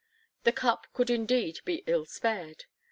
The cup could indeed be ill spared.